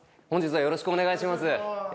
よろしくお願いします。